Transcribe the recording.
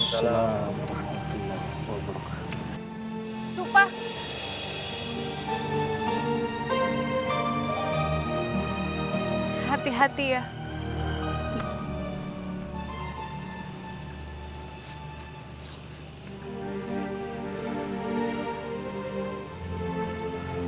saya akan ke sana